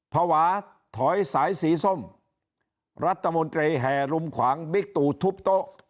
ภาวะถอยสายสีส้มรัฐมนตรีแห่รุมขวางบิ๊กตูทุบโต๊ะ